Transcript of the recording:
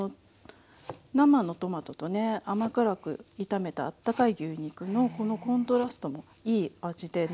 生のトマトとね甘辛く炒めたあったかい牛肉のこのコントラストもいい味で夏ならではのお料理ですね。